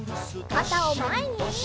かたをまえに！